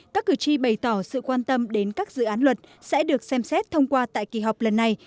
các cử tri bày tỏ sự quan tâm đến các dự án luật sẽ được xem xét thông qua tại kỳ họp lần này